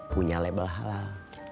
punya label halal